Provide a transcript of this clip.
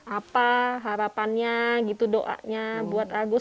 apa harapannya gitu doanya buat agus